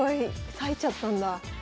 裂いちゃったんだ。